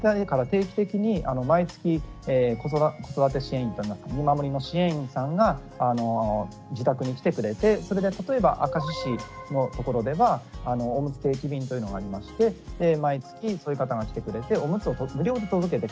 定期的に毎月子育て支援員見守りの支援員さんが自宅に来てくれてそれで例えば明石市のところではおむつ定期便というのがありまして毎月そういう方が来てくれておむつを無料で届けてくれると。